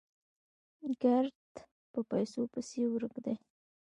ګړد په پيسو پسې ورک دي